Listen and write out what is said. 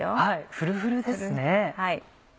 フルフルですね。